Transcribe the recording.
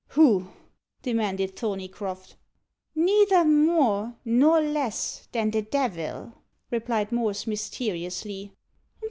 who?" demanded Thorneycroft. "Neither more nor less than the devil," replied Morse mysteriously.